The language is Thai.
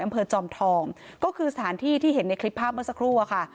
จอมทองก็คือสถานที่ที่เห็นในคลิปภาพเมื่อสักครู่อะค่ะ